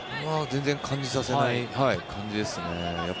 全然、感じさせない感じですね。